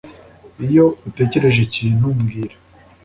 Iyo utekereje ikintu, mbwira.